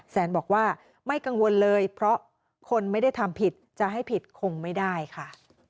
แซนบอกว่าไม่กังวลเลยเพราะคนไม่ได้ทำผิดจะให้ผิดคงไม่ได้ค่ะ